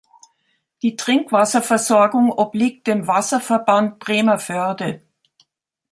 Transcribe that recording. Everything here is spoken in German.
Die Trinkwasserversorgung obliegt dem "Wasserverband Bremervörde".